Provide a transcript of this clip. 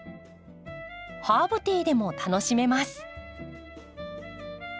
ハーブティーでも楽しめます。